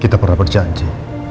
kita pernah berjanji